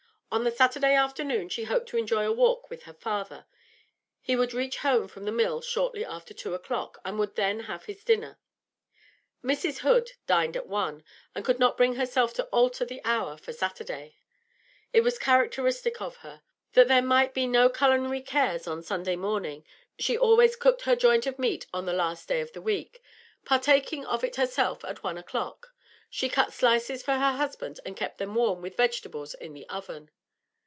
On the Saturday afternoon she hoped to enjoy a walk with her father; he would reach home from the mill shortly after two o'clock, and would then have his dinner. Mrs. Hood dined at one, and could not bring herself to alter the hour for Saturday; it was characteristic of her. That there might be no culinary cares on Sunday morning, she always cooked her joint of meat on the last day of the week; partaking of it herself at one o'clock, she cut slices for her husband and kept them warm, with vegetables, in the oven.